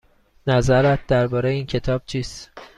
نظرت درباره این کتاب چیست؟